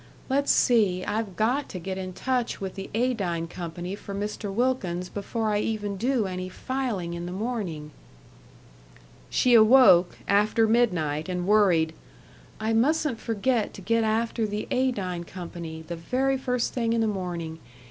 Let's see, I've got to get in touch with the Adine Company for Mr. Wilkins before I even do any filing in the morning " She awoke, after midnight, and worried: "I mustn't forget to get after the Adine Company, the very first thing in the morning.